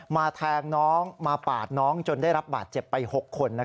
แทงน้องมาปาดน้องจนได้รับบาดเจ็บไป๖คน